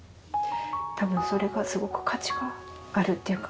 多分それがすごく価値があるっていうか